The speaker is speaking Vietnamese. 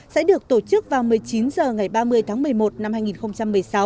sẽ được tổ chức vào một mươi chín h ngày ba mươi tháng một mươi một năm hai nghìn một mươi sáu